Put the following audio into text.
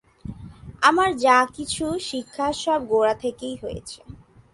আমার যা-কিছু শিক্ষা সব গোরা থেকেই হয়েছে।